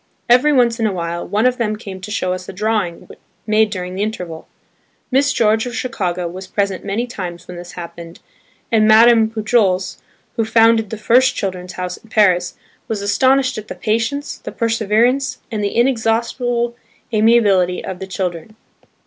Every once in a while, one of them came to show us a drawing made during the interval. Miss George of Chicago was present many times when this happened, and Madame Pujols, who founded the first "Children's House" in Paris, was astonished at the patience, the perseverance, and the inexhaustible amiability of the children.